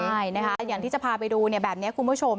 ใช่นะคะอย่างที่จะพาไปดูแบบนี้คุณผู้ชม